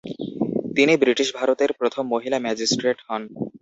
তিনি ব্রিটিশ ভারতের প্রথম মহিলা ম্যাজিস্ট্রেট হন।